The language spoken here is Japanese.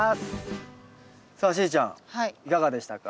さあしーちゃんいかがでしたか？